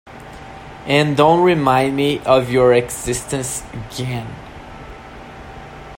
And don’t remind me of your existence again.